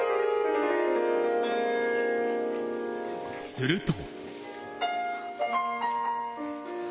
すると。